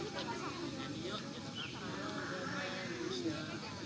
salam dulu yang baru datang